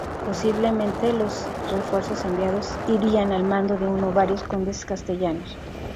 Posiblemente los refuerzos enviados irían al mando de uno o varios condes castellanos.